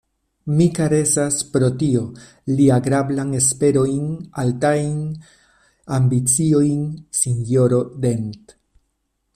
Mi karesas pro li agrablajn esperojn, altajn ambiciojn, sinjoro Dent.